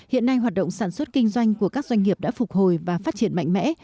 hiện nay hoạt động sản xuất kinh doanh của các doanh nghiệp đã phục hồi và phát triển mạnh mẽ